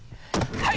はい！